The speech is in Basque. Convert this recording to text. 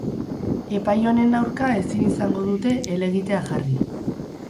Epai honen aurka ezin izango dute helegitea jarri.